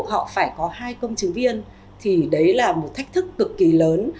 nguồn thuốc rất là thấp mà lại bắt buộc họ phải có hai công chứng viên thì đấy là một thách thức cực kỳ lớn